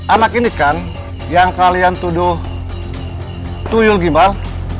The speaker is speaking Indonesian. anak ini kan yang kalian tuduh tuyu gimbal